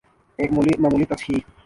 ایک معمولی تصحیح۔